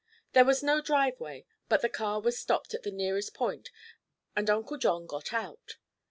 There was no driveway, but the car was stopped at the nearest point and Uncle John got out.